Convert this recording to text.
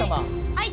はい。